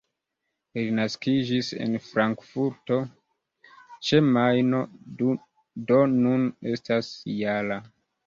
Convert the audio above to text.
Li naskiĝis en Frankfurto ĉe Majno, do nun estas -jara.